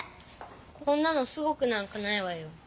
こんなのすごくなんかないわよ。